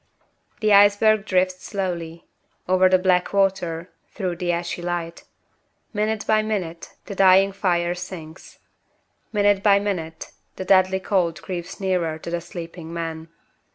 The iceberg drifts slowly over the black water; through the ashy light. Minute by minute, the dying fire sinks. Minute by minute, the deathly cold creeps nearer to the sleeping man.